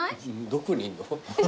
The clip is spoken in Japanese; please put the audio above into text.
どこにいんの？